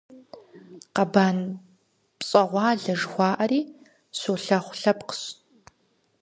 «Къэбан пщӀэгъуалэ» жыхуаӀэри щолэхъу лъэпкъщ.